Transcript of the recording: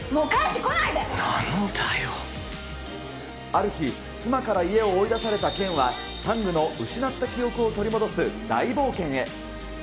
ある日、妻から家を追い出された健は、タングの失った記憶を取り戻す大冒険へ。